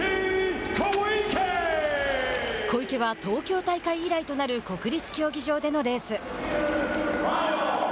小池は東京大会以来となる国立競技場でのレース。